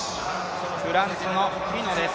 フランスのフィのです。